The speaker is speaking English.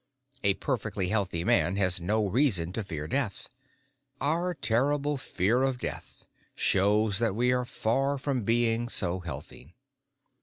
A perfectly healthy man has no reason to fear death; our terrible fear of death shows that we are far from being so healthy.